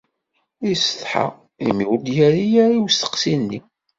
Yessetḥa imi ur d-yerri ara i usteqsi-nni.